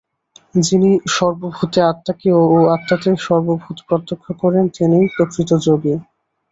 যিনি সর্বভূতে আত্মাকে ও আত্মাতে সর্বভূত প্রত্যক্ষ করেন, তিনিই প্রকৃত যোগী।